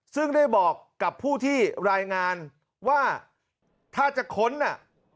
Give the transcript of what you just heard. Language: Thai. ซึ่งได้บอกกับผู้ที่รายงานว่าถ้าจะค้นน่ะ